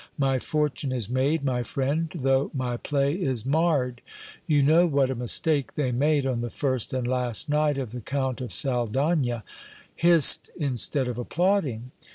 My fortune is made, my friend, though my play is marred. You know what a mistake they made on the first and last night of " The Cdunt of Saldagna ;" hissed instead of applauding